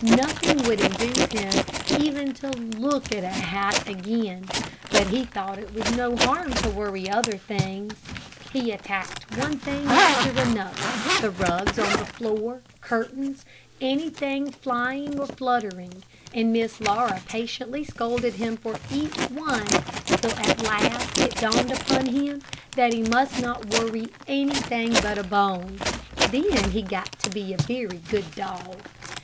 Nothing would induce him even to look at a hat again. But he thought it was no harm to worry other things. He attacked one thing after another, the rugs on the floor, curtains, anything flying or fluttering, and Miss Laura patiently scolded him for each one, till at last it dawned upon him that he must not worry anything but a bone. Then he got to be a very good dog.